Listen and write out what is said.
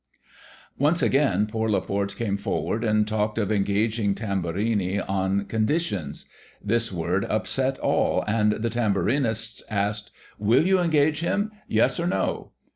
Once again poor Laporte came forward, and talked of engaging Tamburini on " Conditions." This word upset all, and the Tamburinists asked :" Will you engage him .? Yes, or No